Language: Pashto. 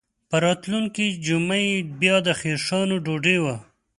په راتلونکې جمعه یې بیا د خیښانو ډوډۍ وه.